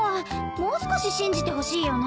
もう少し信じてほしいよね。